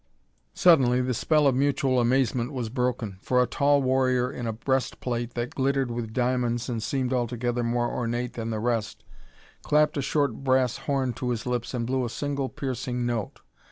Suddenly the spell of mutual amazement was broken, for a tall warrior in a breast plate that glittered with diamonds and seemed altogether more ornate than the rest, clapped a short brass horn to his lips and blew a single piercing note.